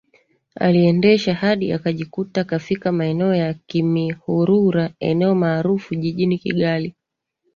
Aliendesha hadi akajikuta kafika maeneo ya kimihurura eneo maarufu jijini Kigali